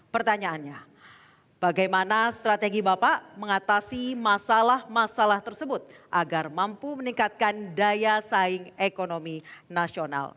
pertanyaannya bagaimana strategi bapak mengatasi masalah masalah tersebut agar mampu meningkatkan daya saing ekonomi nasional